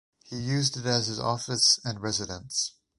He used it as his office and residence.